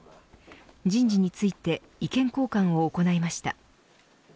人事について意見交換を行いました。